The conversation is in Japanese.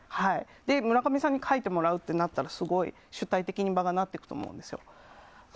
村上さんに書いてもらうとなったらすごい場が主体的になっていくと思うんですよ。